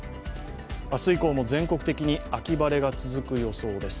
明日以降も全国的に秋晴れが続く予想です。